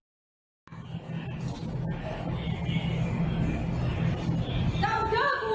ต้องเจอท่านกู